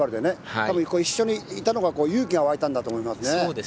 多分、一緒にいたのが勇気が湧いたんだと思いますね。